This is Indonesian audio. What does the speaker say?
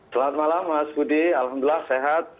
selamat malam mas budi alhamdulillah sehat